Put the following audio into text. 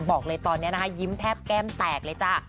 บอกเลยตอนนี้นะคะยิ้มแทบแก้มแตกเลยจ้ะ